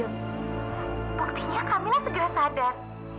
buktinya kamilah segera sadar